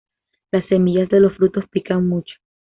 Las semillas de los frutos pican mucho.